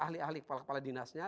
ahli ahli kepala kepala dinasnya